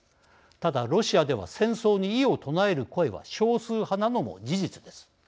ただ、ロシアでは戦争に異を唱える声は少数派なのも事実です。